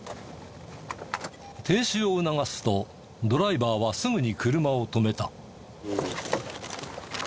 停止を促すとドライバーはすぐに車を止めた。